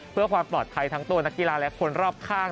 เพื่อความปลอดภัยทั้งตัวนักกีฬาและคนรอบข้าง